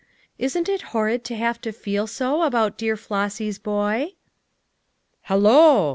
Isn't it horrid to have to feel so about dear Flossy 's boy?" "Hello!"